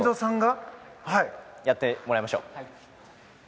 やってもらいましょう。